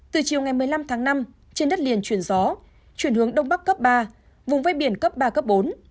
từ chiều ngày một mươi năm tháng năm trên đất liền chuyển gió chuyển hướng đông bắc cấp ba vùng ven biển cấp ba bốn